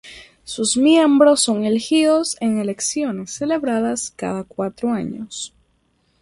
Sus miembros son elegidos en elecciones celebradas cada cuatro años.